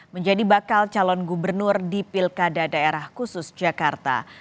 menjadi bakal calon gubernur di pilkada daerah khusus jakarta